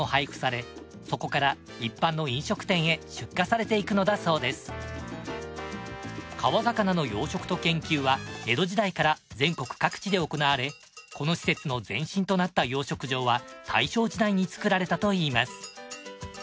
こちらの施設ではまた川魚の養殖と研究は江戸時代から全国各地で行われこの施設の前身となった養殖場は大正時代に作られたといいます。